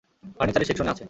ফার্নিচারের সেকশনে আছে!